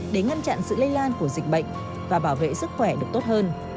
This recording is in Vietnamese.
để ngăn chặn sự lây lan của dịch bệnh và bảo vệ sức khỏe được tốt hơn